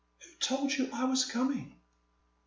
'Who told you I was coming ?